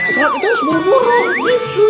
sholat itu harus burung burung gitu